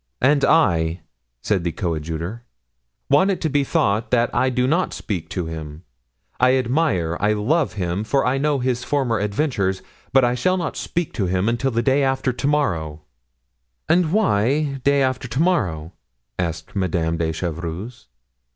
"And I," said the coadjutor, "want it to be thought that I do not speak to him. I admire, I love him—for I know his former adventures—but I shall not speak to him until the day after to morrow." "And why day after to morrow?" asked Madame de Chevreuse.